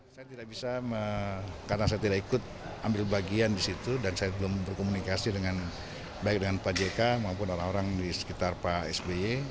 saya tidak bisa karena saya tidak ikut ambil bagian di situ dan saya belum berkomunikasi dengan baik dengan pak jk maupun orang orang di sekitar pak sby